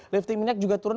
lifting minyak juga turun